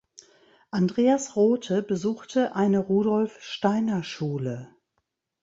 Andreas Rothe besuchte eine Rudolf Steiner Schule.